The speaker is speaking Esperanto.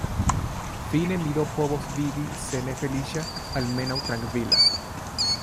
Fine mi do povos vivi se ne feliĉa, almenaŭ trankvila.